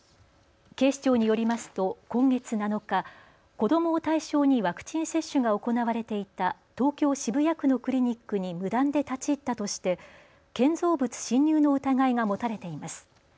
警視庁によりますと今月７日、子どもを対象にワクチン接種が行われていた東京渋谷区のクリニックに無断で立ち入ったとして建造物侵入の疑いが持たれています。